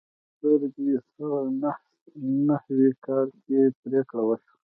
په یو زر درې سوه نهه نوي کال کې پریکړه وشوه.